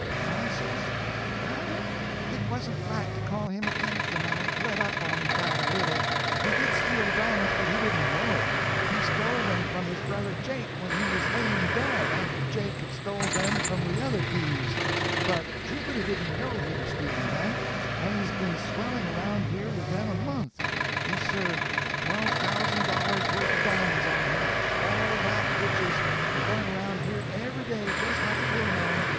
Tom says: "Your honor, it wasn't right to call him a thief, and I'll let up on that a little. He did steal the di'monds, but he didn't know it. He stole them from his brother Jake when he was laying dead, after Jake had stole them from the other thieves; but Jubiter didn't know he was stealing them; and he's been swelling around here with them a month; yes, sir, twelve thousand dollars' worth of di'monds on him—all that riches, and going around here every day just like a poor man.